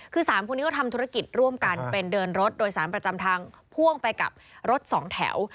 คือ๓คนนี้ก็ทำธุรกิจร่วมกันเป็นเดินรถโดยสารประจำทางพ่วงไปกับรถสองแถว